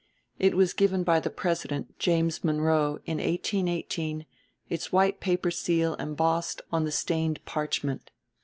It was given by the President, James Monroe, in 1818, its white paper seal embossed on the stained parchment.